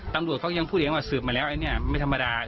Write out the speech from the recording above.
ตำรวจเขายังพูดอย่างว่าเสืบมาแล้วอันนี้ไม่ธรรมดา